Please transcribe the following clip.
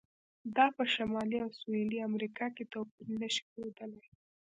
دا په شمالي او سویلي امریکا کې توپیر نه شي ښودلی.